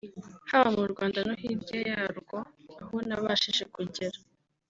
haba mu Rwanda no hirya yarwo aho nabashije kugera